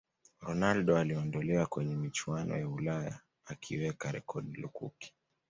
ronaldo aliondolewa kwenye michuano ya ulaya akiweka rekodi lukuki